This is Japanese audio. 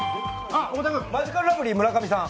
マヂカルラブリー村上さん。